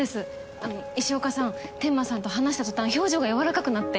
あの石岡さん天間さんと話した途端表情が柔らかくなって。